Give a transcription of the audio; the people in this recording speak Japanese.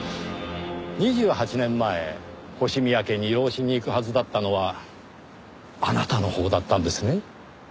２８年前星宮家に養子に行くはずだったのはあなたのほうだったんですね？